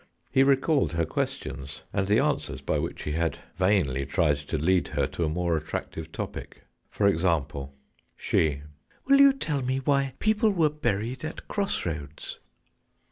He recalled her questions, and the answers by which he had vainly tried to lead her to a more attractive topic. For example: She : Will you tell me why people were buried at cross roads